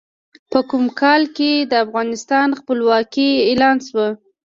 په کوم کال کې د افغانستان خپلواکي اعلان شوه؟